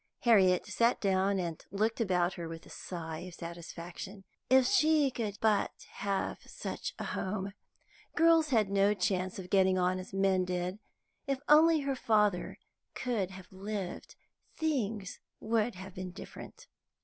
Harriet sat down and looked about her with a sigh of satisfaction. If she could but have such a home! Girls had no chance of getting on as men did. If only her father could have lived, things would have been different.